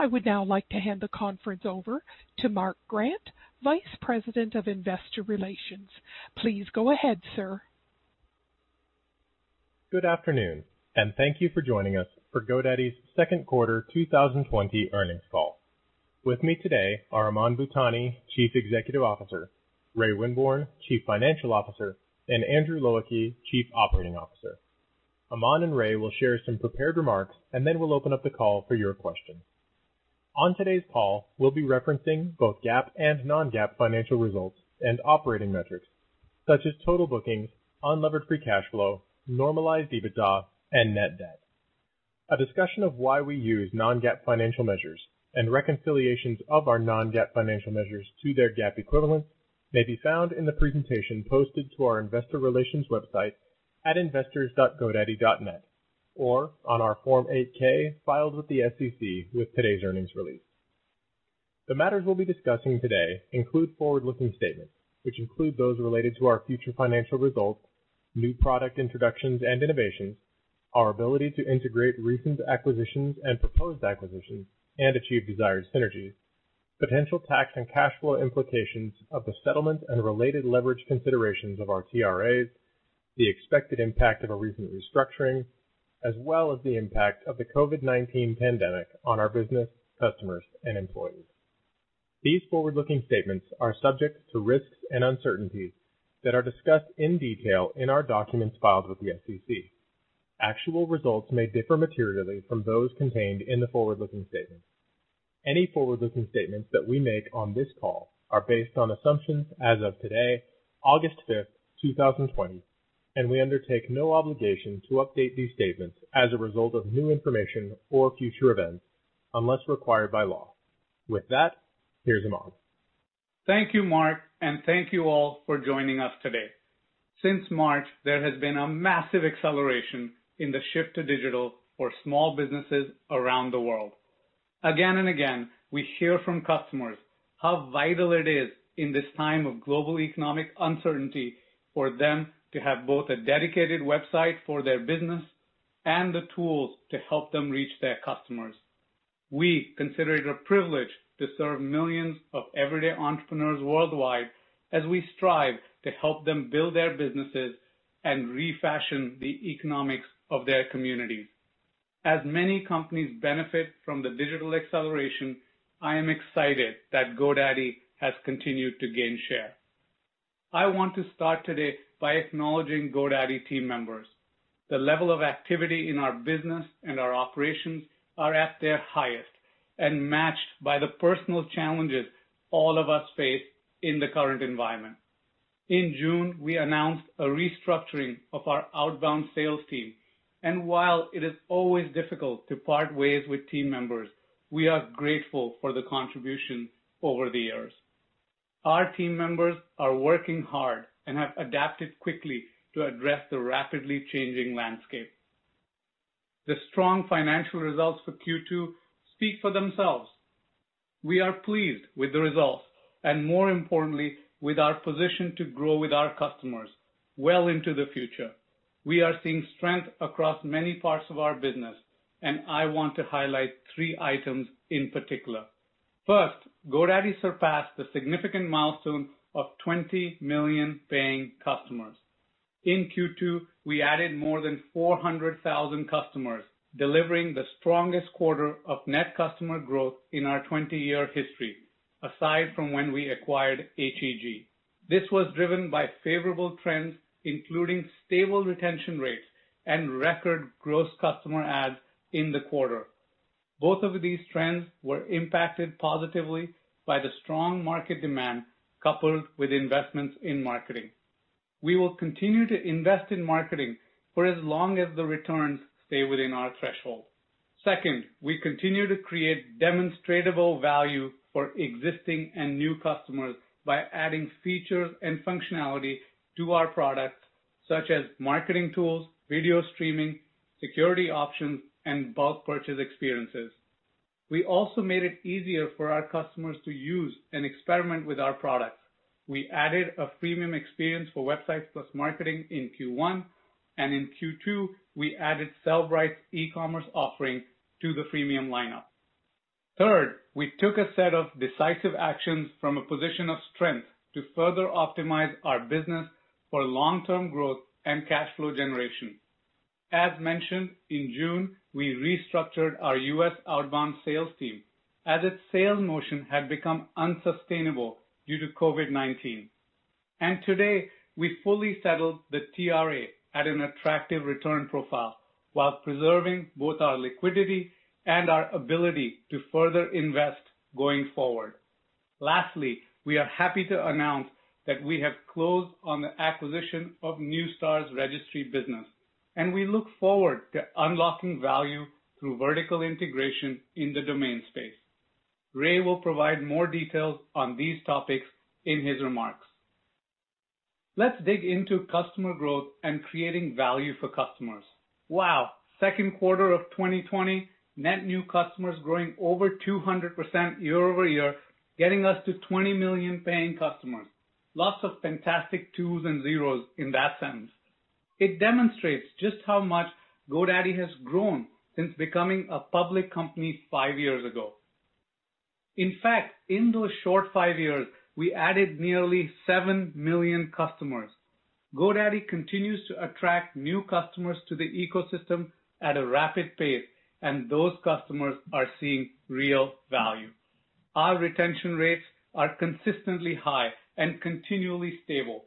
I would now like to hand the conference over to Christie Masoner, Vice President of Investor Relations. Please go ahead, sir. Good afternoon, thank you for joining us for GoDaddy's second quarter 2020 earnings call. With me today are Aman Bhutani, Chief Executive Officer, Ray Winborne, Chief Financial Officer, and Andrew Low Ah Kee, Chief Operating Officer. Aman and Ray will share some prepared remarks, then we'll open up the call for your questions. On today's call, we'll be referencing both GAAP and non-GAAP financial results and operating metrics such as total bookings, unlevered free cash flow, normalized EBITDA, and net debt. A discussion of why we use non-GAAP financial measures and reconciliations of our non-GAAP financial measures to their GAAP equivalents may be found in the presentation posted to our investor relations website at investors.godaddy.net or on our Form 8-K filed with the SEC with today's earnings release. The matters we'll be discussing today include forward-looking statements, which include those related to our future financial results, new product introductions and innovations, our ability to integrate recent acquisitions and proposed acquisitions and achieve desired synergies, potential tax and cash flow implications of the settlement and related leverage considerations of our TRAs, the expected impact of a recent restructuring, as well as the impact of the COVID-19 pandemic on our business, customers, and employees. These forward-looking statements are subject to risks and uncertainties that are discussed in detail in our documents filed with the SEC. Actual results may differ materially from those contained in the forward-looking statements. Any forward-looking statements that we make on this call are based on assumptions as of today, August 5th, 2020, and we undertake no obligation to update these statements as a result of new information or future events, unless required by law. With that, here's Aman. Thank you, Mark, and thank you all for joining us today. Since March, there has been a massive acceleration in the shift to digital for small businesses around the world. Again and again, we hear from customers how vital it is in this time of global economic uncertainty for them to have both a dedicated website for their business and the tools to help them reach their customers. We consider it a privilege to serve millions of everyday entrepreneurs worldwide as we strive to help them build their businesses and refashion the economics of their communities. As many companies benefit from the digital acceleration, I am excited that GoDaddy has continued to gain share. I want to start today by acknowledging GoDaddy team members. The level of activity in our business and our operations are at their highest and matched by the personal challenges all of us face in the current environment. In June, we announced a restructuring of our outbound sales team, and while it is always difficult to part ways with team members, we are grateful for the contribution over the years. Our team members are working hard and have adapted quickly to address the rapidly changing landscape. The strong financial results for Q2 speak for themselves. We are pleased with the results and, more importantly, with our position to grow with our customers well into the future. We are seeing strength across many parts of our business, and I want to highlight three items in particular. First, GoDaddy surpassed the significant milestone of 20 million paying customers. In Q2, we added more than 400,000 customers, delivering the strongest quarter of net customer growth in our 20-year history, aside from when we acquired HEG. This was driven by favorable trends, including stable retention rates and record gross customer adds in the quarter. Both of these trends were impacted positively by the strong market demand, coupled with investments in marketing. We will continue to invest in marketing for as long as the returns stay within our threshold. Second, we continue to create demonstratable value for existing and new customers by adding features and functionality to our products, such as marketing tools, video streaming, security options, and bulk purchase experiences. We also made it easier for our customers to use and experiment with our products. We added a freemium experience for Websites + Marketing in Q1, and in Q2, we added Sellbrite's e-commerce offering to the freemium lineup. Third, we took a set of decisive actions from a position of strength to further optimize our business for long-term growth and cash flow generation. As mentioned, in June, we restructured our U.S. outbound sales team, as its sales motion had become unsustainable due to COVID-19. Today, we fully settled the TRA at an attractive return profile while preserving both our liquidity and our ability to further invest going forward. Lastly, we are happy to announce that we have closed on the acquisition of Neustar's registry business, and we look forward to unlocking value through vertical integration in the domain space. Ray will provide more details on these topics in his remarks. Let's dig into customer growth and creating value for customers. Wow, second quarter of 2020, net new customers growing over 200% year-over-year, getting us to 20 million paying customers. Lots of fantastic twos and zeros in that sentence. It demonstrates just how much GoDaddy has grown since becoming a public company five years ago. In fact, in those short five years, we added nearly seven million customers. GoDaddy continues to attract new customers to the ecosystem at a rapid pace, and those customers are seeing real value. Our retention rates are consistently high and continually stable,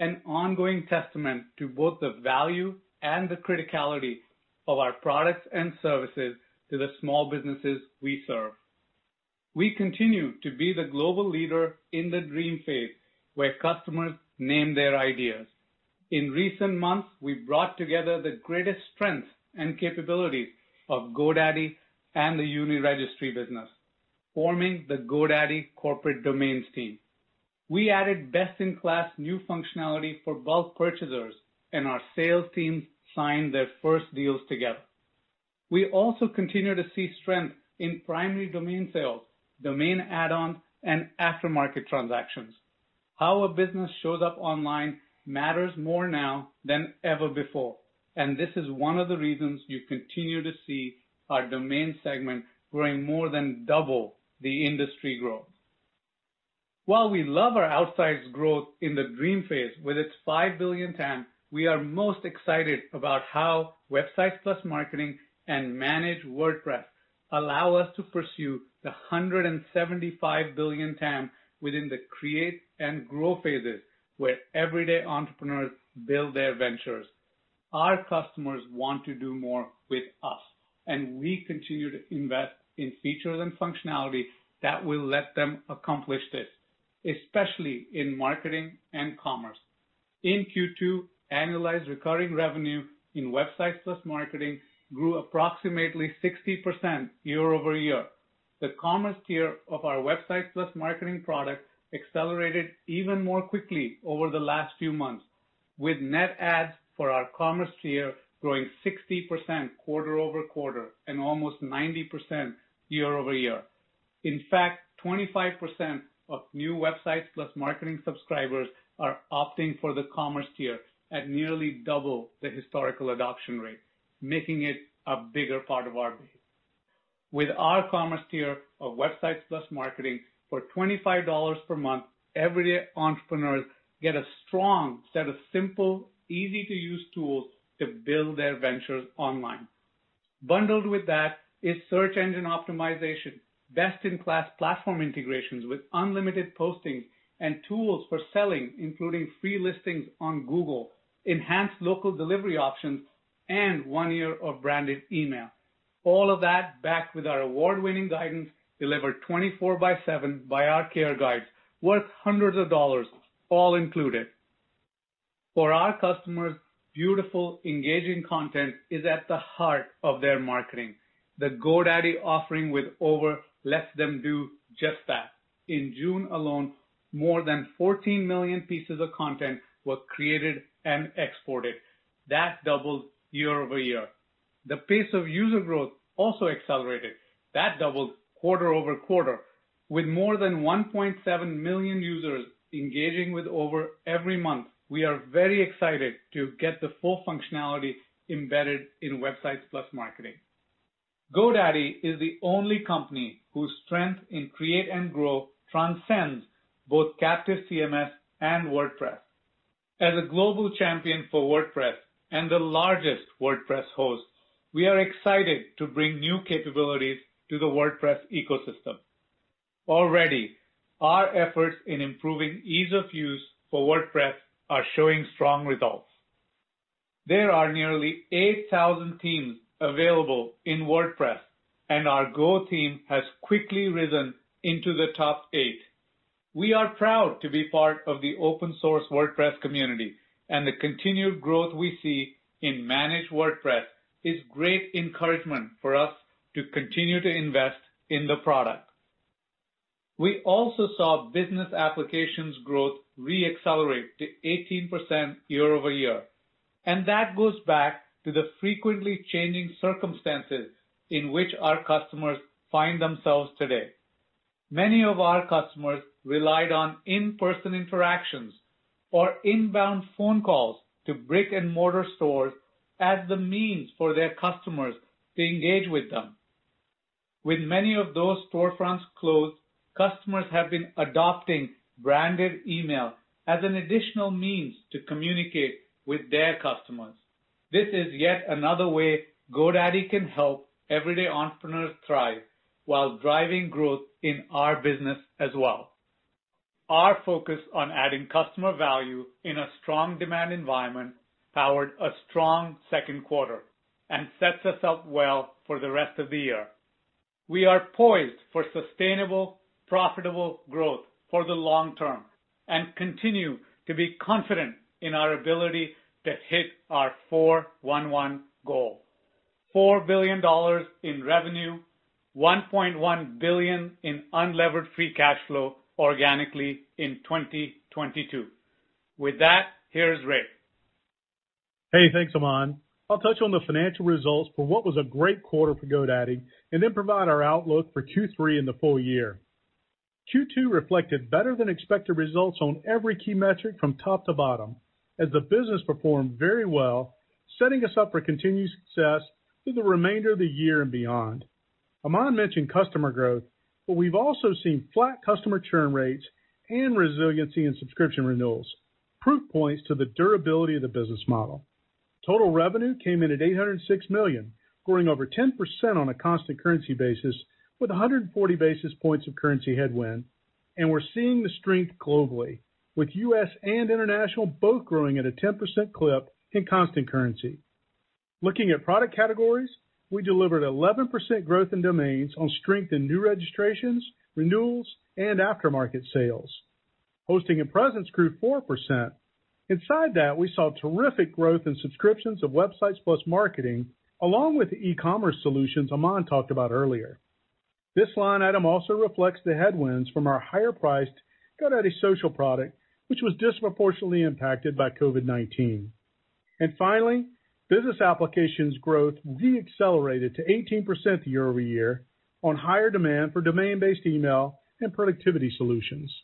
an ongoing testament to both the value and the criticality of our products and services to the small businesses we serve. We continue to be the global leader in the dream phase, where customers name their ideas. In recent months, we've brought together the greatest strengths and capabilities of GoDaddy and the Uniregistry business, forming the GoDaddy Corporate Domains team. We added best-in-class new functionality for bulk purchasers, and our sales teams signed their first deals together. We also continue to see strength in primary domain sales, domain add-ons, and aftermarket transactions. How a business shows up online matters more now than ever before, and this is one of the reasons you continue to see our domain segment growing more than double the industry growth. While we love our outsized growth in the dream phase with its $5 billion TAM, we are most excited about how Websites + Marketing and Managed WordPress allow us to pursue the $175 billion TAM within the create and grow phases, where everyday entrepreneurs build their ventures. Our customers want to do more with us, and we continue to invest in features and functionality that will let them accomplish this, especially in marketing and commerce. In Q2, annualized recurring revenue in Websites + Marketing grew approximately 60% year-over-year. The commerce tier of our Websites + Marketing product accelerated even more quickly over the last few months, with net adds for our commerce tier growing 60% quarter-over-quarter and almost 90% year-over-year. In fact, 25% of new Websites + Marketing subscribers are opting for the commerce tier at nearly 2x the historical adoption rate, making it a bigger part of our base. With our commerce tier of Websites + Marketing for $25 per month, everyday entrepreneurs get a strong set of simple, easy-to-use tools to build their ventures online. Bundled with that is search engine optimization, best-in-class platform integrations with unlimited postings and tools for selling, including free listings on Google, enhanced local delivery options, and one year of branded email. All of that backed with our award-winning guidance delivered 24 by seven by our care guides, worth hundreds of dollars, all included. For our customers, beautiful, engaging content is at the heart of their marketing. The GoDaddy offering with Over lets them do just that. In June alone, more than 14 million pieces of content were created and exported. That doubled year-over-year. The pace of user growth also accelerated. That doubled quarter-over-quarter. With more than 1.7 million users engaging with Over every month, we are very excited to get the full functionality embedded in Websites + Marketing. GoDaddy is the only company whose strength in create and grow transcends both captive CMS and WordPress. As a global champion for WordPress and the largest WordPress host, we are excited to bring new capabilities to the WordPress ecosystem. Already, our efforts in improving ease of use for WordPress are showing strong results. There are nearly 8,000 themes available in WordPress, and our Go team has quickly risen into the top eight. We are proud to be part of the open source WordPress community, and the continued growth we see in Managed WordPress is great encouragement for us to continue to invest in the product. We also saw business applications growth re-accelerate to 18% year-over-year, and that goes back to the frequently changing circumstances in which our customers find themselves today. Many of our customers relied on in-person interactions or inbound phone calls to brick-and-mortar stores as the means for their customers to engage with them. With many of those storefronts closed, customers have been adopting branded email as an additional means to communicate with their customers. This is yet another way GoDaddy can help everyday entrepreneurs thrive while driving growth in our business as well. Our focus on adding customer value in a strong demand environment powered a strong second quarter and sets us up well for the rest of the year. We are poised for sustainable, profitable growth for the long term. We continue to be confident in our ability to hit our 411 goal. $4 billion in revenue, $1.1 billion in unlevered free cash flow organically in 2022. With that, here's Ray. Hey, thanks, Aman. I'll touch on the financial results for what was a great quarter for GoDaddy, and then provide our outlook for Q3 and the full year. Q2 reflected better than expected results on every key metric from top to bottom, as the business performed very well, setting us up for continued success through the remainder of the year and beyond. Aman mentioned customer growth. We've also seen flat customer churn rates and resiliency in subscription renewals, proof points to the durability of the business model. Total revenue came in at $806 million, growing over 10% on a constant currency basis, with 140 basis points of currency headwind. We're seeing the strength globally, with U.S. and international both growing at a 10% clip in constant currency. Looking at product categories, we delivered 11% growth in domains on strength in new registrations, renewals, and aftermarket sales. Hosting & Presence grew 4%. Inside that, we saw terrific growth in subscriptions of Websites + Marketing, along with the e-commerce solutions Aman talked about earlier. This line item also reflects the headwinds from our higher-priced GoDaddy Social product, which was disproportionately impacted by COVID-19. Finally, business applications growth re-accelerated to 18% year-over-year on higher demand for domain-based email and productivity solutions.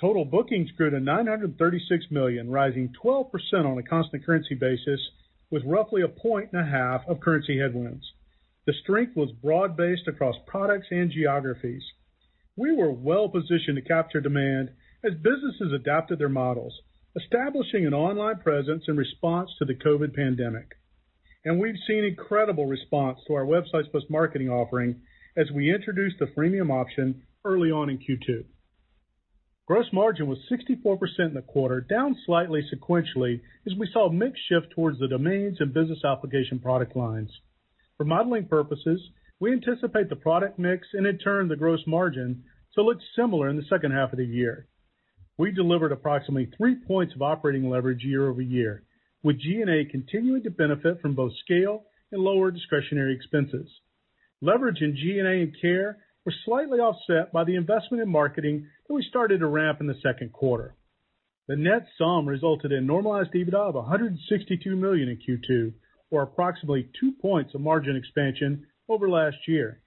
Total bookings grew to $936 million, rising 12% on a constant currency basis, with roughly 1.5 points of currency headwinds. The strength was broad-based across products and geographies. We were well-positioned to capture demand as businesses adapted their models, establishing an online presence in response to the COVID pandemic. We've seen incredible response to our Websites + Marketing offering as we introduced the freemium option early on in Q2. Gross margin was 64% in the quarter, down slightly sequentially as we saw a mix shift towards the domains and business application product lines. For modeling purposes, we anticipate the product mix and in turn the gross margin, to look similar in the second half of the year. We delivered approximately three points of operating leverage year-over-year, with G&A continuing to benefit from both scale and lower discretionary expenses. Leverage in G&A and care were slightly offset by the investment in marketing that we started to ramp in the second quarter. The net sum resulted in normalized EBITDA of $162 million in Q2, or approximately two points of margin expansion over last year.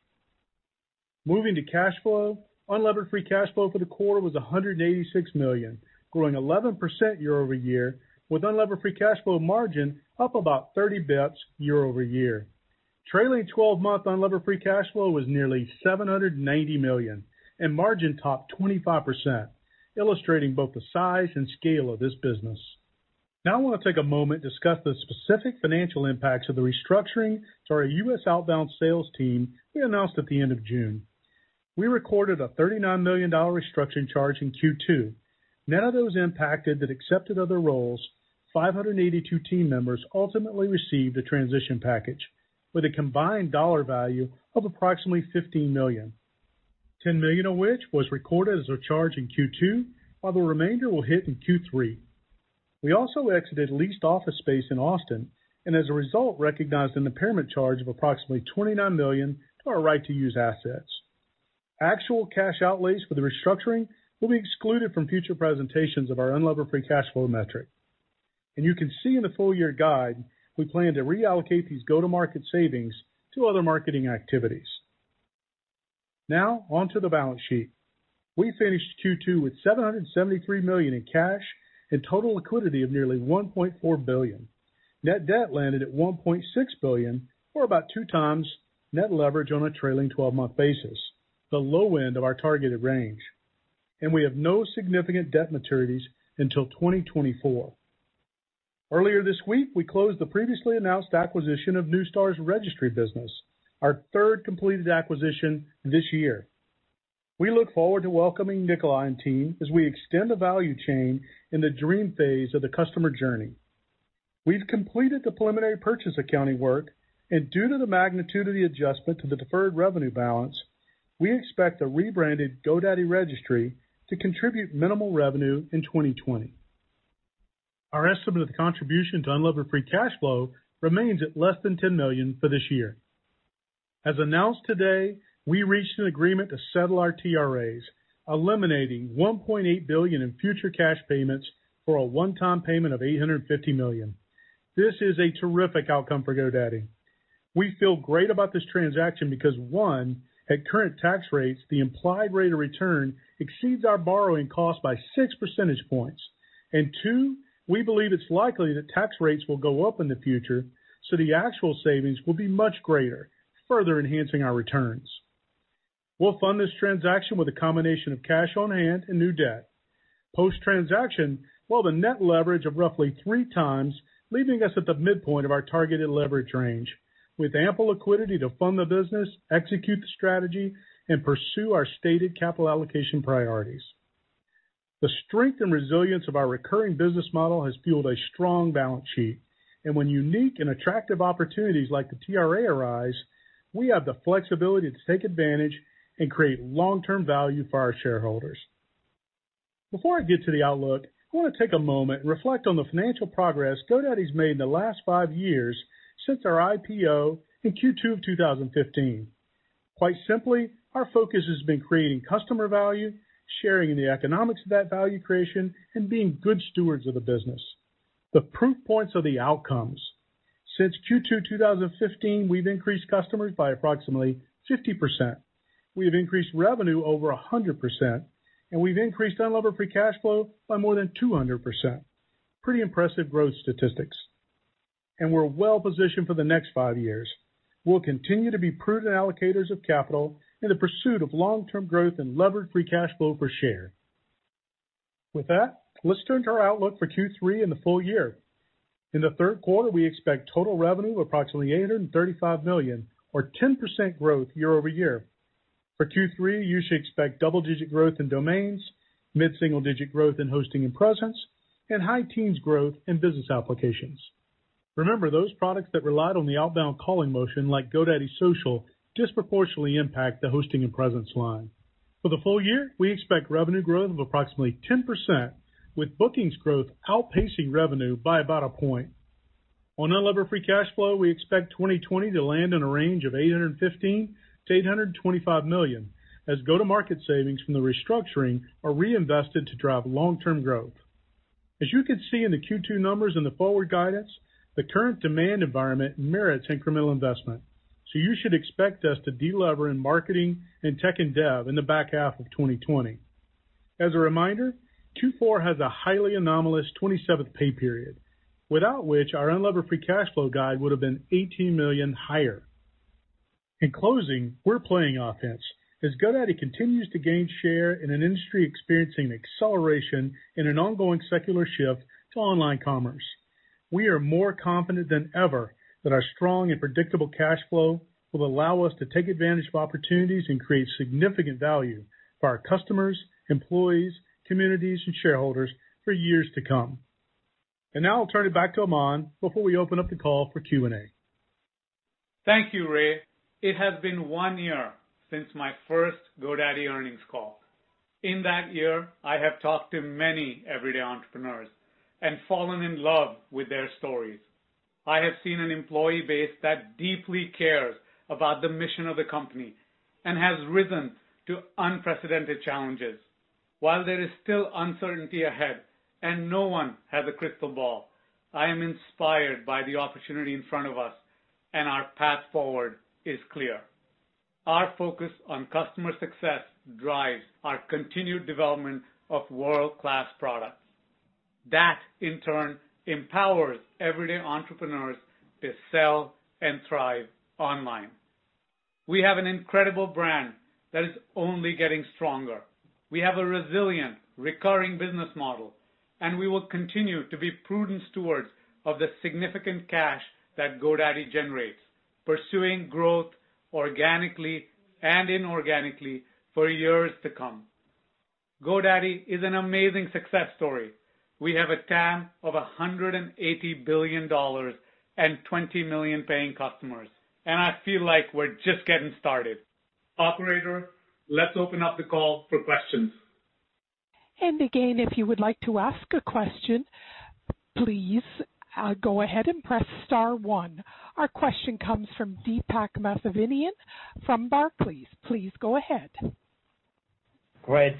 Moving to cash flow, unlevered free cash flow for the quarter was $186 million, growing 11% year-over-year, with unlevered free cash flow margin up about 30 basis points year-over-year. Trailing 12-month unlevered free cash flow was nearly $790 million, and margin topped 25%, illustrating both the size and scale of this business. I want to take a moment to discuss the specific financial impacts of the restructuring to our U.S. outbound sales team we announced at the end of June. We recorded a $39 million restructuring charge in Q2. None of those impacted that accepted other roles, 582 team members ultimately received a transition package with a combined dollar value of approximately $15 million. $10 million of which was recorded as a charge in Q2, while the remainder will hit in Q3. We also exited leased office space in Austin, and as a result, recognized an impairment charge of approximately $29 million to our right-to-use assets. Actual cash outlays for the restructuring will be excluded from future presentations of our unlevered free cash flow metric. You can see in the full-year guide, we plan to reallocate these go-to-market savings to other marketing activities. Now, on to the balance sheet. We finished Q2 with $773 million in cash and total liquidity of nearly $1.4 billion. Net debt landed at $1.6 billion, or about two times net leverage on a trailing 12-month basis, the low end of our targeted range. We have no significant debt maturities until 2024. Earlier this week, we closed the previously announced acquisition of Neustar's registry business, our third completed acquisition this year. We look forward to welcoming Nicolai and team as we extend the value chain in the dream phase of the customer journey. We've completed the preliminary purchase accounting work, and due to the magnitude of the adjustment to the deferred revenue balance, we expect the rebranded GoDaddy Registry to contribute minimal revenue in 2020. Our estimate of the contribution to unlevered free cash flow remains at less than $10 million for this year. As announced today, we reached an agreement to settle our TRAs, eliminating $1.8 billion in future cash payments for a one-time payment of $850 million. This is a terrific outcome for GoDaddy. We feel great about this transaction because one, at current tax rates, the implied rate of return exceeds our borrowing cost by six percentage points. Two, we believe it's likely that tax rates will go up in the future, so the actual savings will be much greater, further enhancing our returns. We'll fund this transaction with a combination of cash on hand and new debt. Post-transaction, we'll have a net leverage of roughly 3 times, leaving us at the midpoint of our targeted leverage range, with ample liquidity to fund the business, execute the strategy, and pursue our stated capital allocation priorities. The strength and resilience of our recurring business model has fueled a strong balance sheet. And when unique and attractive opportunities like the TRA arise, we have the flexibility to take advantage and create long-term value for our shareholders. Before I get to the outlook, I want to take a moment and reflect on the financial progress GoDaddy's made in the last five years since our IPO in Q2 of 2015. Quite simply, our focus has been creating customer value, sharing in the economics of that value creation, and being good stewards of the business. The proof points are the outcomes. Since Q2 2015, we've increased customers by approximately 50%. We have increased revenue over 100%, and we've increased unlevered free cash flow by more than 200%. Pretty impressive growth statistics. We're well-positioned for the next five years. We'll continue to be prudent allocators of capital in the pursuit of long-term growth and levered free cash flow per share. With that, let's turn to our outlook for Q3 and the full year. In the third quarter, we expect total revenue of approximately $835 million or 10% growth year-over-year. For Q3, you should expect double-digit growth in domains, mid-single digit growth in Hosting & Presence, and high teens growth in business applications. Remember, those products that relied on the outbound calling motion, like GoDaddy Social, disproportionately impact the Hosting & Presence line. For the full year, we expect revenue growth of approximately 10%, with bookings growth outpacing revenue by about one point. On unlevered free cash flow, we expect 2020 to land in a range of $815 million-$825 million, as go-to-market savings from the restructuring are reinvested to drive long-term growth. As you can see in the Q2 numbers and the forward guidance, the current demand environment merits incremental investment. You should expect us to delever in marketing and tech and dev in the back half of 2020. As a reminder, Q4 has a highly anomalous 27th pay period, without which our unlevered free cash flow guide would have been $18 million higher. In closing, we're playing offense. As GoDaddy continues to gain share in an industry experiencing acceleration in an ongoing secular shift to online commerce, we are more confident than ever that our strong and predictable cash flow will allow us to take advantage of opportunities and create significant value for our customers, employees, communities, and shareholders for years to come. Now I'll turn it back to Aman before we open up the call for Q&A. Thank you, Ray. It has been one year since my first GoDaddy earnings call. In that year, I have talked to many everyday entrepreneurs and fallen in love with their stories. I have seen an employee base that deeply cares about the mission of the company and has risen to unprecedented challenges. While there is still uncertainty ahead and no one has a crystal ball, I am inspired by the opportunity in front of us, and our path forward is clear. Our focus on customer success drives our continued development of world-class products. That, in turn, empowers everyday entrepreneurs to sell and thrive online. We have an incredible brand that is only getting stronger. We have a resilient, recurring business model, and we will continue to be prudent stewards of the significant cash that GoDaddy generates, pursuing growth organically and inorganically for years to come. GoDaddy is an amazing success story. We have a TAM of $180 billion and 20 million paying customers, I feel like we're just getting started. Operator, let's open up the call for questions. Again, if you would like to ask a question, please go ahead and press star one. Our question comes from Deepak Mathivanan from Barclays. Please go ahead. Great.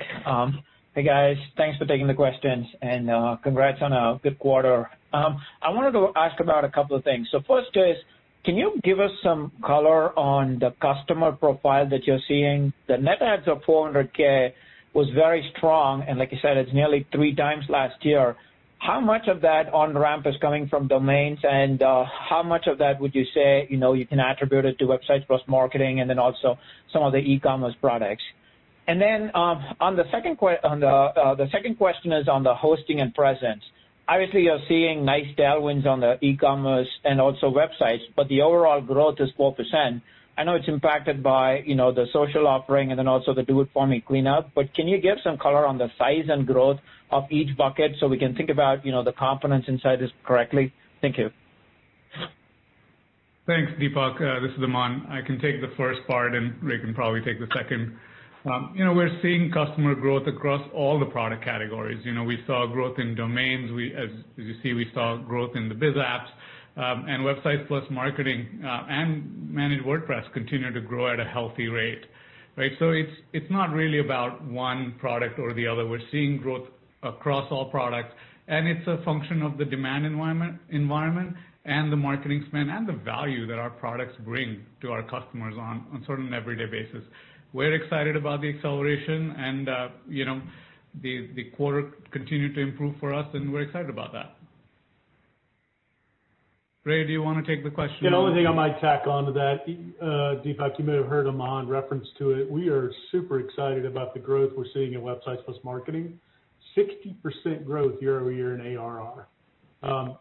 Hey, guys. Thanks for taking the questions and congrats on a good quarter. I wanted to ask about a couple of things. First is, can you give us some color on the customer profile that you're seeing? The net adds of 400K was very strong, like you said, it's nearly three times last year. How much of that on-ramp is coming from domains, and how much of that would you say you can attribute it to Websites + Marketing and also some of the e-commerce products? The second question is on the Hosting & Presence. Obviously, you're seeing nice tailwinds on the e-commerce and also websites, but the overall growth is 4%. I know it's impacted by the social offering and also the Do It For Me cleanup. Can you give some color on the size and growth of each bucket so we can think about the components inside this correctly? Thank you. Thanks, Deepak. This is Aman. I can take the first part, and Ray can probably take the second. We're seeing customer growth across all the product categories. We saw growth in domains. As you see, we saw growth in the biz apps, and Websites + Marketing and Managed WordPress continue to grow at a healthy rate, right? It's not really about one product or the other. We're seeing growth across all products, and it's a function of the demand environment and the marketing spend and the value that our products bring to our customers on sort of an everyday basis. We're excited about the acceleration and the quarter continued to improve for us, and we're excited about that. Ray, do you want to take the question on- The only thing I might tack on to that, Deepak Mathivanan, you may have heard Aman reference to it. We are super excited about the growth we're seeing in Websites + Marketing. 60% growth year-over-year in ARR.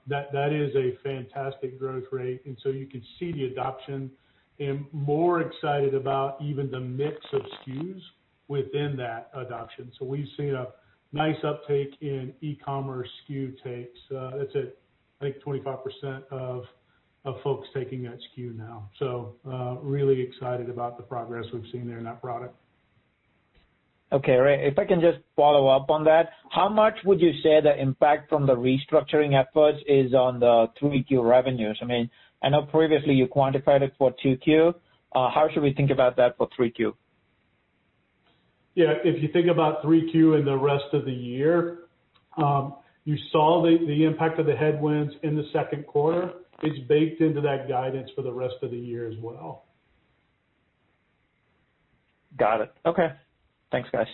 That is a fantastic growth rate. You can see the adoption. More excited about even the mix of SKUs within that adoption. We've seen a nice uptake in e-commerce SKU takes. That's at, I think, 25% of folks taking that SKU now. Really excited about the progress we've seen there in that product. Okay. Ray, if I can just follow up on that, how much would you say the impact from the restructuring efforts is on the 3Q revenues? I know previously you quantified it for 2Q. How should we think about that for 3Q? If you think about 3Q and the rest of the year, you saw the impact of the headwinds in the second quarter is baked into that guidance for the rest of the year as well. Got it. Okay. Thanks, guys.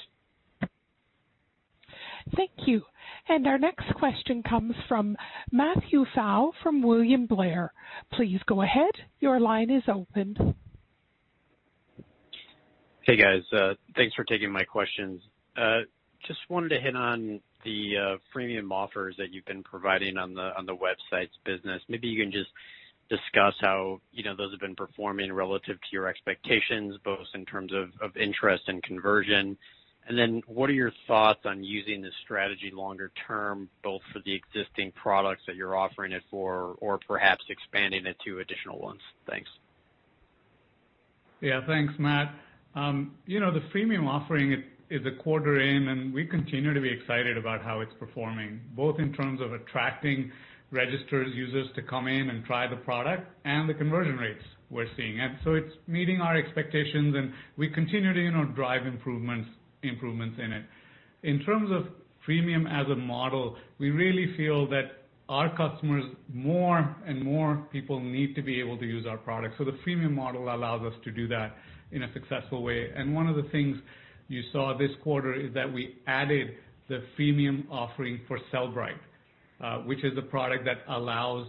Thank you. Our next question comes from Matthew Pfau from William Blair. Please go ahead. Your line is open. Hey, guys. Thanks for taking my questions. Just wanted to hit on the freemium offers that you've been providing on the Websites business. Maybe you can just discuss how those have been performing relative to your expectations, both in terms of interest and conversion. What are your thoughts on using this strategy longer term, both for the existing products that you're offering it for, or perhaps expanding it to additional ones? Thanks. Thanks, Matt. The freemium offering is a quarter in, we continue to be excited about how it's performing, both in terms of attracting registered users to come in and try the product, and the conversion rates we're seeing. It's meeting our expectations, we continue to drive improvements in it. In terms of freemium as a model, we really feel that our customers, more and more people need to be able to use our product. The freemium model allows us to do that in a successful way. One of the things you saw this quarter is that we added the freemium offering for Sellbrite, which is a product that allows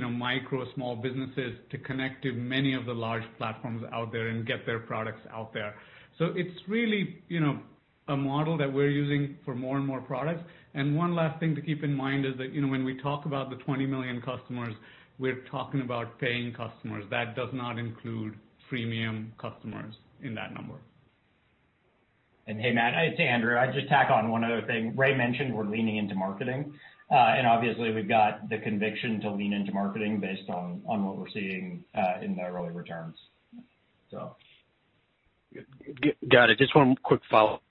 micro small businesses to connect to many of the large platforms out there and get their products out there. It's really a model that we're using for more and more products. One last thing to keep in mind is that when we talk about the 20 million customers, we're talking about paying customers. That does not include freemium customers in that number. Hey, Matthew, it's Andrew. I'd just tack on one other thing. Ray mentioned we're leaning into marketing, and obviously, we've got the conviction to lean into marketing based on what we're seeing in the early returns. Got it. Just one quick follow-up.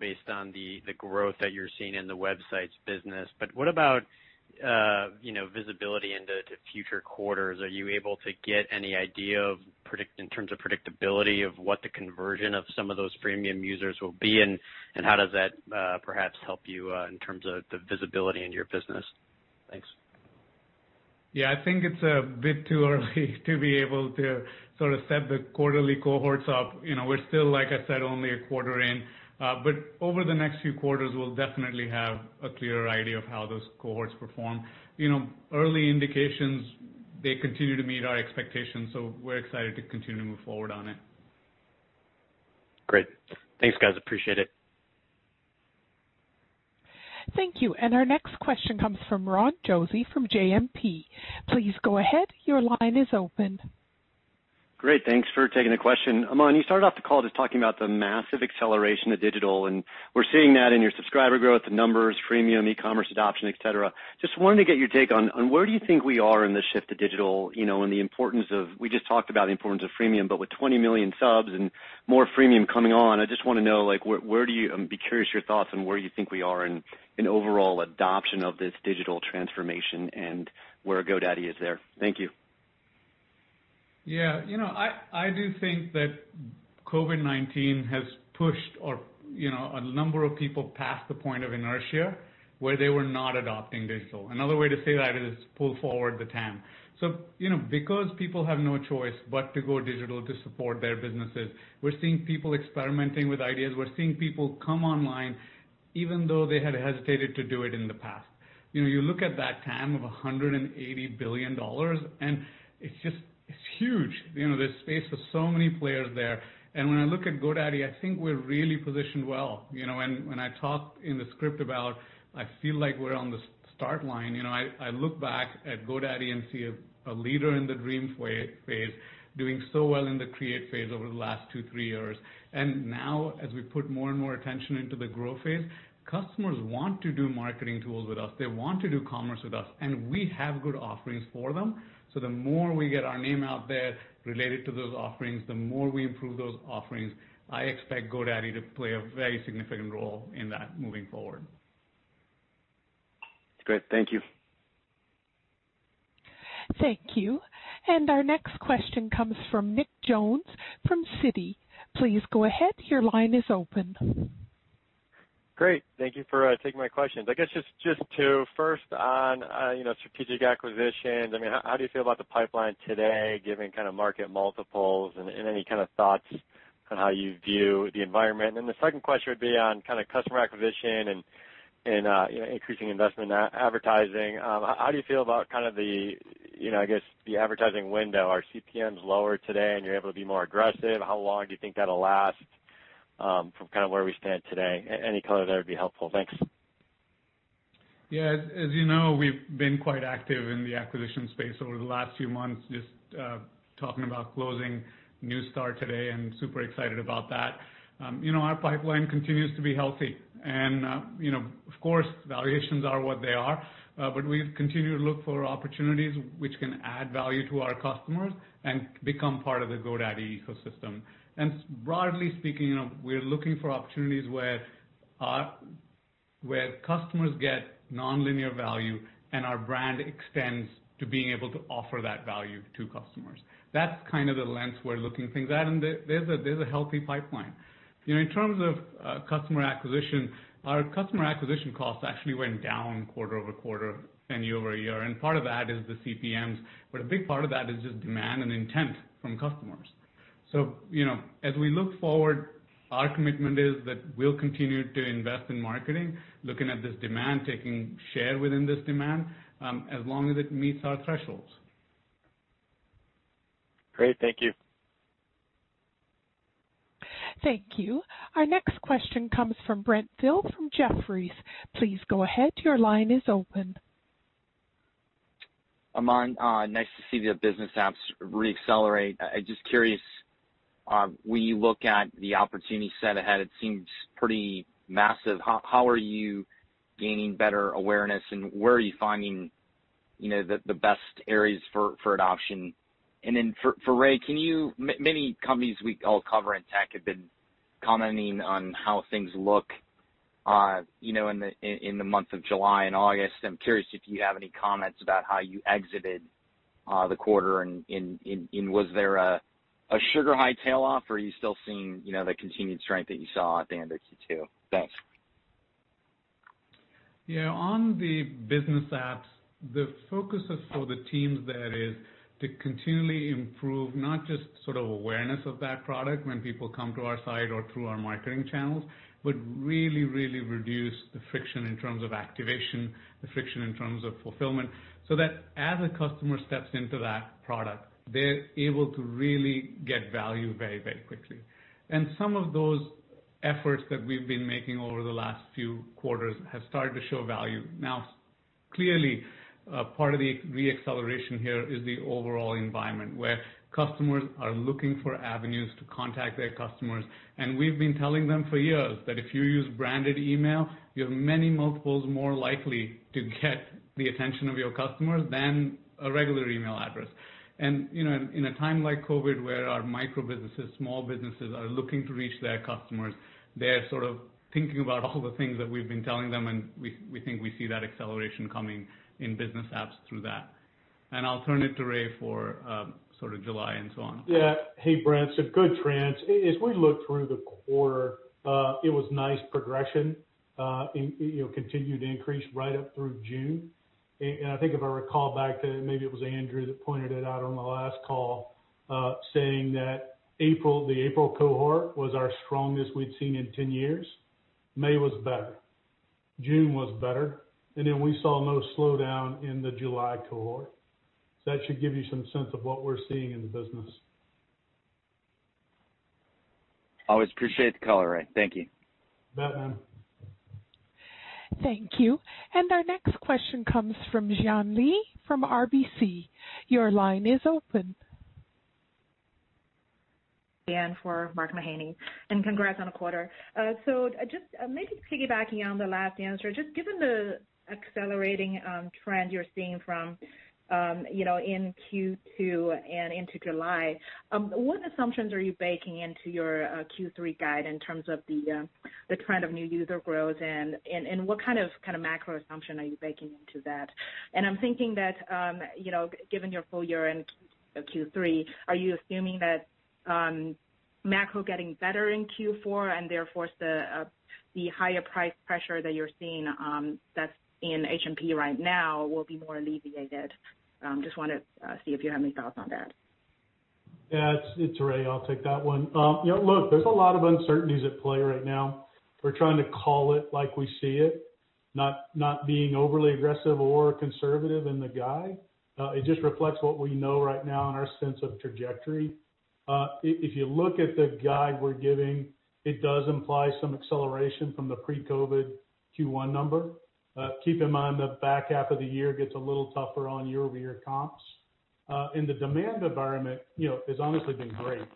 Based on the growth that you're seeing in the Websites business, what about visibility into future quarters? Are you able to get any idea in terms of predictability of what the conversion of some of those freemium users will be? How does that perhaps help you in terms of the visibility in your business? Thanks. Yeah, I think it's a bit too early to be able to sort of set the quarterly cohorts up. We're still, like I said, only a quarter in. Over the next few quarters, we'll definitely have a clearer idea of how those cohorts perform. Early indications, they continue to meet our expectations. We're excited to continue to move forward on it. Great. Thanks, guys. Appreciate it. Thank you. Our next question comes from Ron Josey from JMP. Please go ahead. Your line is open. Great. Thanks for taking the question. Aman, you started off the call just talking about the massive acceleration of digital, and we're seeing that in your subscriber growth numbers, freemium, e-commerce adoption, et cetera. Wanted to get your take on where do you think we are in the shift to digital, and the importance of, we just talked about the importance of freemium, but with 20 million subs and more freemium coming on, I just want to know, I'd be curious your thoughts on where you think we are in overall adoption of this digital transformation and where GoDaddy is there. Thank you. I do think that COVID-19 has pushed a number of people past the point of inertia where they were not adopting digital. Another way to say that is pull forward the TAM. Because people have no choice but to go digital to support their businesses, we're seeing people experimenting with ideas. We're seeing people come online even though they had hesitated to do it in the past. You look at that TAM of $180 billion, and it's huge. There's space for so many players there. When I look at GoDaddy, I think we're really positioned well. When I talk in the script about I feel like we're on the start line, I look back at GoDaddy and see a leader in the dream phase doing so well in the create phase over the last two, three years. Now as we put more and more attention into the grow phase, customers want to do marketing tools with us. They want to do commerce with us, and we have good offerings for them. The more we get our name out there related to those offerings, the more we improve those offerings, I expect GoDaddy to play a very significant role in that moving forward. Great. Thank you. Thank you. Our next question comes from Nick Jones from Citi. Please go ahead. Your line is open. Great. Thank you for taking my questions. I guess just to first on strategic acquisitions, how do you feel about the pipeline today, given kind of market multiples, and any kind of thoughts on how you view the environment? The second question would be on kind of customer acquisition and increasing investment in advertising. How do you feel about the advertising window? Are CPMs lower today and you're able to be more aggressive? How long do you think that'll last from where we stand today? Any color there would be helpful. Thanks. Yeah, as you know, we've been quite active in the acquisition space over the last few months, just talking about closing Neustar today and super excited about that. Our pipeline continues to be healthy and of course, valuations are what they are, but we continue to look for opportunities which can add value to our customers and become part of the GoDaddy ecosystem. Broadly speaking, we're looking for opportunities where customers get nonlinear value and our brand extends to being able to offer that value to customers. That's kind of the lens we're looking things at, and there's a healthy pipeline. In terms of customer acquisition, our customer acquisition costs actually went down quarter-over-quarter and year-over-year, and part of that is the CPMs, but a big part of that is just demand and intent from customers. As we look forward, our commitment is that we'll continue to invest in marketing, looking at this demand, taking share within this demand, as long as it meets our thresholds. Great. Thank you. Thank you. Our next question comes from Brent Thill from Jefferies. Please go ahead. Your line is open. Aman, nice to see the business apps re-accelerate. Just curious, when you look at the opportunity set ahead, it seems pretty massive. How are you gaining better awareness, and where are you finding the best areas for adoption? For Ray, many companies we all cover in tech have been commenting on how things look in the month of July and August. I'm curious if you have any comments about how you exited the quarter, and was there a sugar high tail off, or are you still seeing the continued strength that you saw at the end of Q2? Thanks. Yeah. On the business apps, the focus for the teams there is to continually improve, not just sort of awareness of that product when people come to our site or through our marketing channels, but really, really reduce the friction in terms of activation, the friction in terms of fulfillment, so that as a customer steps into that product, they are able to really get value very, very quickly. Some of those efforts that we've been making over the last few quarters have started to show value. Now, clearly, part of the re-acceleration here is the overall environment, where customers are looking for avenues to contact their customers. We've been telling them for years that if you use branded email, you're many multiples more likely to get the attention of your customers than a regular email address. In a time like COVID, where our micro businesses, small businesses, are looking to reach their customers, they're sort of thinking about all the things that we've been telling them, and we think we see that acceleration coming in business apps through that. I'll turn it to Ray for July and so on. Hey, Brent. Good trends. As we look through the quarter, it was nice progression, continued increase right up through June. I think if I recall back to, maybe it was Andrew that pointed it out on the last call, saying that the April cohort was our strongest we'd seen in 10 years. May was better, June was better, then we saw no slowdown in the July cohort. That should give you some sense of what we're seeing in the business. Always appreciate the color, Ray. Thank you. You bet, man. Thank you. Our next question comes from Jian Li from RBC. Your line is open. For Mark Mahaney, and congrats on a quarter. Just maybe piggybacking on the last answer, just given the accelerating trend you're seeing in Q2 and into July, what assumptions are you baking into your Q3 guide in terms of the trend of new user growth, and what kind of macro assumption are you baking into that? I'm thinking that, given your full year and Q3, are you assuming that macro getting better in Q4 and therefore the higher price pressure that you're seeing that's in HMP right now will be more alleviated? Just want to see if you have any thoughts on that. Yeah. It's Ray. There's a lot of uncertainties at play right now. We're trying to call it like we see it, not being overly aggressive or conservative in the guide. It just reflects what we know right now and our sense of trajectory. If you look at the guide we're giving, it does imply some acceleration from the pre-COVID Q1 number. Keep in mind, the back half of the year gets a little tougher on year-over-year comps. The demand environment has honestly been great.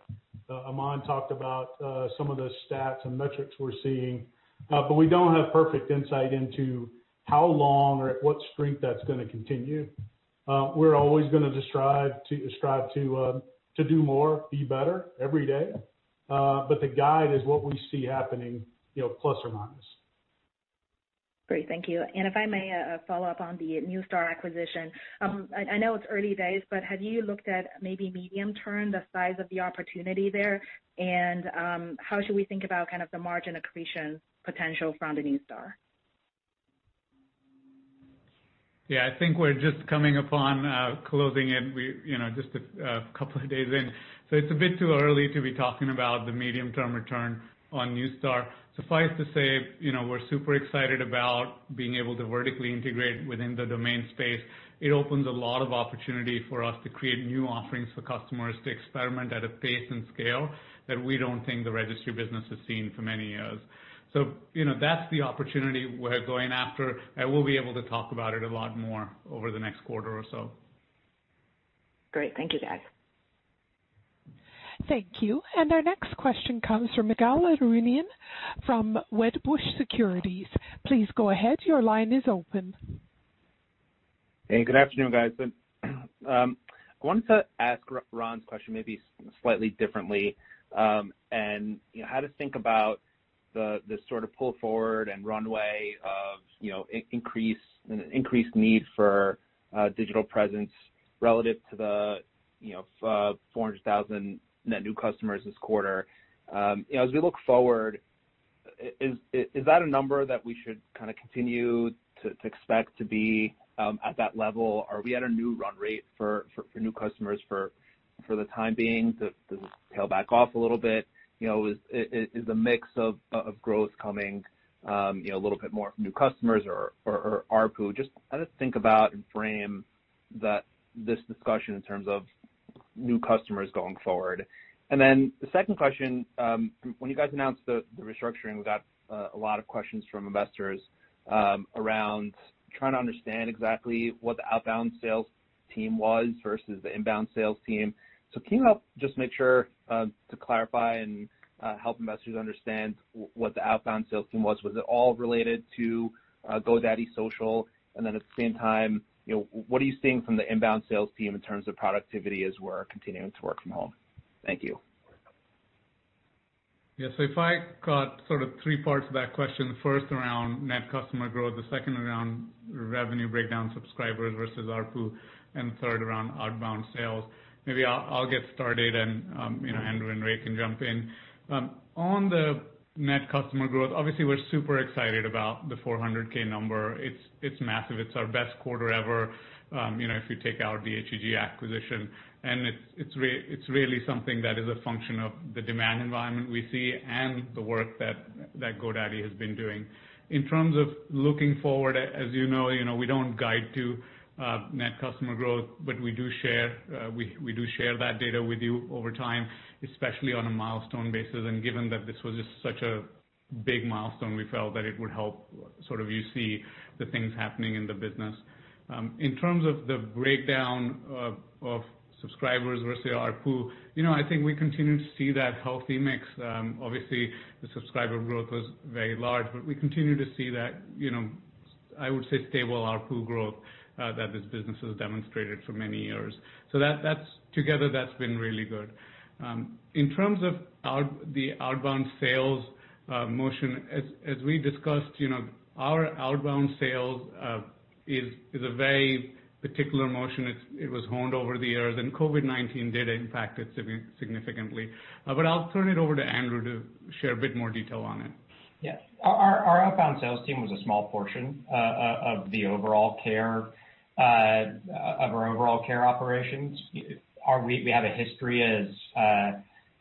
Aman talked about some of the stats and metrics we're seeing, but we don't have perfect insight into how long or at what streak that's going to continue. We're always going to strive to do more, be better every day. The guide is what we see happening plus or minus. Great. Thank you. If I may follow up on the Neustar acquisition, I know it's early days, but have you looked at maybe medium-term, the size of the opportunity there, and how should we think about kind of the margin accretion potential from the Neustar? Yeah, I think we're just coming upon closing it. We're just a couple of days in, so it's a bit too early to be talking about the medium-term return on Neustar. Suffice to say, we're super excited about being able to vertically integrate within the domain space. It opens a lot of opportunity for us to create new offerings for customers to experiment at a pace and scale that we don't think the registry business has seen for many years. That's the opportunity we're going after, and we'll be able to talk about it a lot more over the next quarter or so. Great. Thank you, guys. Thank you. Our next question comes from Ygal Arounian from Wedbush Securities. Please go ahead. Your line is open. Hey, good afternoon, guys. I wanted to ask Ron's question maybe slightly differently. How to think about the sort of pull forward and runway of increased need for digital presence relative to the 400,000 net new customers this quarter. As we look forward, is that a number that we should kind of continue to expect to be at that level? Are we at a new run rate for new customers for the time being to tail back off a little bit? Is the mix of growth coming a little bit more from new customers or ARPU? Just how to think about and frame this discussion in terms of new customers going forward. The second question, when you guys announced the restructuring, we got a lot of questions from investors around trying to understand exactly what the outbound sales team was versus the inbound sales team. Can you help just make sure to clarify and help investors understand what the outbound sales team was? Was it all related to GoDaddy Social? Then at the same time, what are you seeing from the inbound sales team in terms of productivity as we're continuing to work from home? Thank you. Yes. If I got sort of three parts of that question, first around net customer growth, the second around revenue breakdown, subscribers versus ARPU, and third around outbound sales. Maybe I'll get started and Andrew and Ray can jump in. On the net customer growth, obviously, we're super excited about the 400K number. It's massive. It's our best quarter ever if you take out the HEG acquisition, and it's really something that is a function of the demand environment we see and the work that GoDaddy has been doing. In terms of looking forward, as you know, we don't guide to net customer growth, but we do share that data with you over time, especially on a milestone basis. Given that this was just such a big milestone, we felt that it would help sort of you see the things happening in the business. In terms of the breakdown of subscribers versus ARPU, I think we continue to see that healthy mix. Obviously, the subscriber growth was very large, we continue to see that, I would say, stable ARPU growth that this business has demonstrated for many years. Together, that's been really good. In terms of the outbound sales motion, as we discussed, our outbound sales is a very particular motion. It was honed over the years, COVID-19 did impact it significantly. I'll turn it over to Andrew to share a bit more detail on it. Yes. Our outbound sales team was a small portion of our overall care operations. We have a history,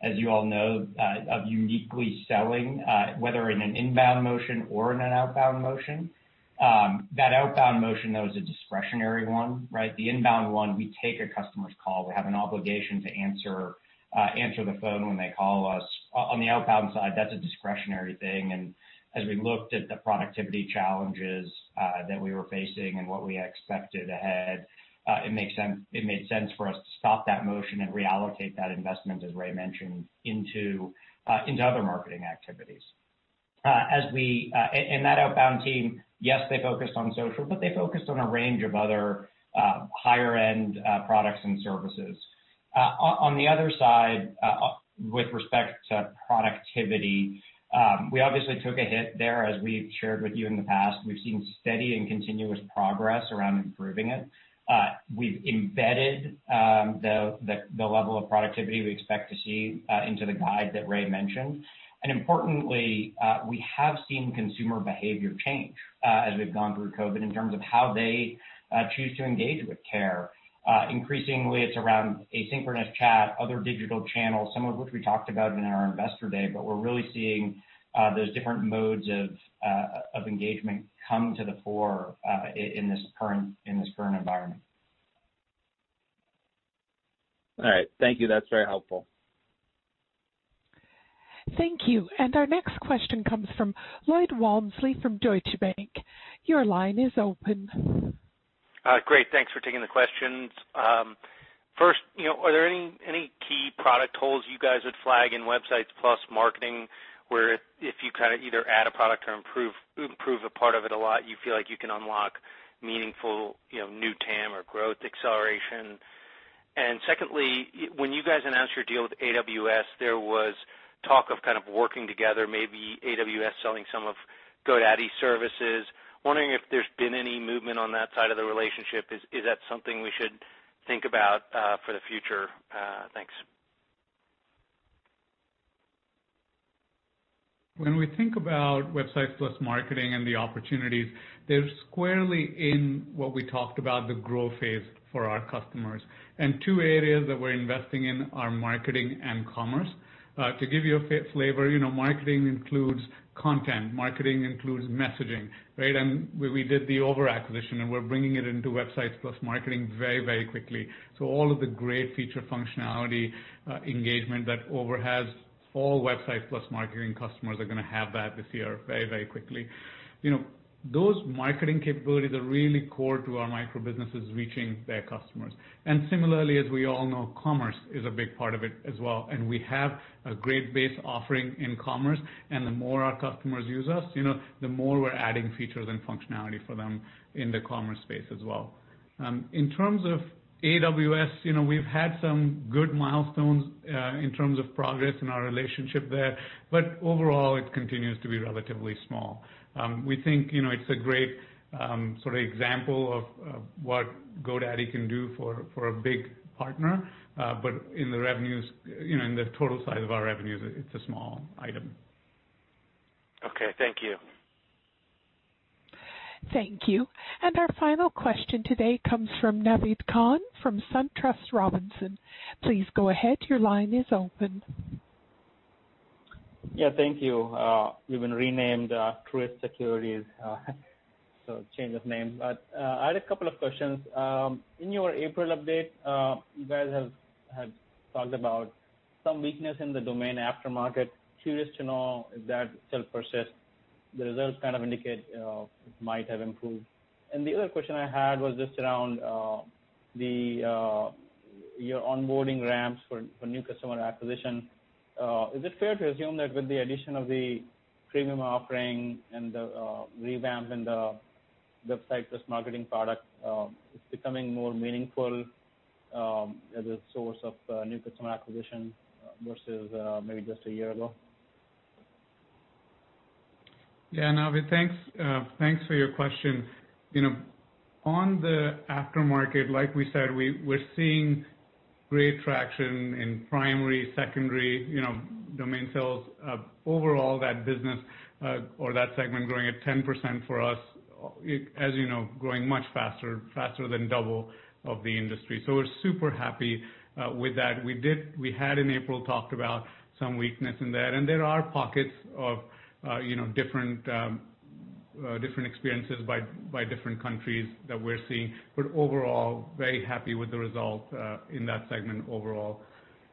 as you all know, of uniquely selling, whether in an inbound motion or in an outbound motion. That outbound motion, though, is a discretionary one, right? The inbound one, we take a customer's call. We have an obligation to answer the phone when they call us. On the outbound side, that's a discretionary thing, and as we looked at the productivity challenges that we were facing and what we expected ahead, it made sense for us to stop that motion and reallocate that investment, as Ray mentioned, into other marketing activities. That outbound team, yes, they focused on social, but they focused on a range of other higher-end products and services. On the other side, with respect to productivity, we obviously took a hit there, as we've shared with you in the past. We've seen steady and continuous progress around improving it. We've embedded the level of productivity we expect to see into the guide that Ray mentioned. Importantly, we have seen consumer behavior change as we've gone through COVID-19 in terms of how they choose to engage with care. Increasingly, it's around asynchronous chat, other digital channels, some of which we talked about in our investor day, but we're really seeing those different modes of engagement come to the fore in this current environment. All right. Thank you. That's very helpful. Thank you. Our next question comes from Lloyd Walmsley from Deutsche Bank. Your line is open. Great. Thanks for taking the questions. First, are there any key product holes you guys would flag in Websites + Marketing, where if you kind of either add a product or improve a part of it a lot you feel like you can unlock meaningful new TAM or growth acceleration? Secondly, when you guys announced your deal with AWS, there was talk of kind of working together, maybe AWS selling some of GoDaddy's services. Wondering if there's been any movement on that side of the relationship. Is that something we should think about for the future? Thanks. When we think about Websites + Marketing and the opportunities, they're squarely in what we talked about, the growth phase for our customers. Two areas that we're investing in are marketing and commerce. To give you a flavor, marketing includes content. Marketing includes messaging. Right? We did the Over acquisition, and we're bringing it into Websites + Marketing very, very quickly. All of the great feature functionality engagement that Over has, all Websites + Marketing customers are going to have that this year very, very quickly. Those marketing capabilities are really core to our micro-businesses reaching their customers. Similarly, as we all know, commerce is a big part of it as well, and we have a great base offering in commerce, and the more our customers use us, the more we're adding features and functionality for them in the commerce space as well. In terms of AWS, we've had some good milestones in terms of progress in our relationship there. Overall, it continues to be relatively small. We think it's a great example of what GoDaddy can do for a big partner. In the total size of our revenues, it's a small item. Okay, thank you. Thank you. Our final question today comes from Naved Khan from SunTrust Robinson. Please go ahead. Your line is open. Yeah, thank you. We've been renamed Truist Securities, so change of name. I had a couple of questions. In your April update, you guys had talked about some weakness in the domain aftermarket. Curious to know if that still persists. The results kind of indicate it might have improved. The other question I had was just around your onboarding ramps for new customer acquisition. Is it fair to assume that with the addition of the premium offering and the revamp in the Websites + Marketing product, it's becoming more meaningful as a source of new customer acquisition versus maybe just a year ago? Naved, thanks for your question. On the aftermarket, like we said, we're seeing great traction in primary, secondary domain sales. Overall, that business or that segment growing at 10% for us, as you know, growing much faster than double of the industry. We're super happy with that. We had in April talked about some weakness in that, and there are pockets of different experiences by different countries that we're seeing. Overall, very happy with the result in that segment overall.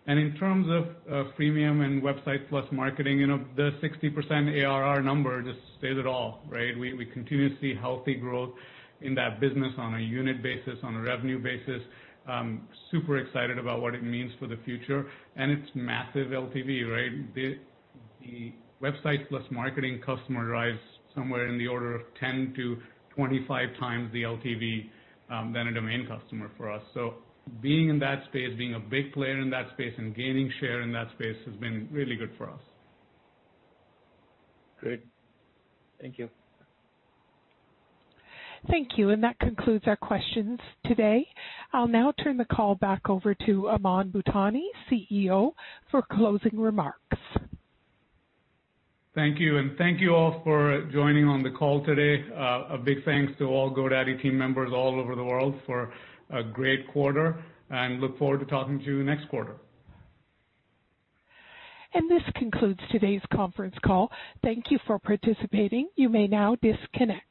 In terms of premium and Websites + Marketing, the 60% ARR number just says it all, right? We continue to see healthy growth in that business on a unit basis, on a revenue basis. Super excited about what it means for the future. It's massive LTV, right? The Websites + Marketing customer drives somewhere in the order of 10 to 25 times the LTV than a domain customer for us. Being in that space, being a big player in that space, and gaining share in that space has been really good for us. Great. Thank you. Thank you. That concludes our questions today. I'll now turn the call back over to Aman Bhutani, CEO, for closing remarks. Thank you. Thank you all for joining on the call today. A big thanks to all GoDaddy team members all over the world for a great quarter. Look forward to talking to you next quarter. This concludes today's conference call. Thank you for participating. You may now disconnect.